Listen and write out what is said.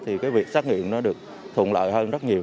họ sẽ thuận lợi hơn rất nhiều